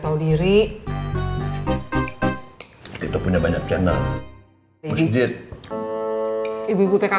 tahu diri kita punya banyak channel